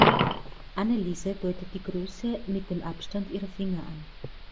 Anneliese deutet die Größe mit dem Abstand ihrer Finger an.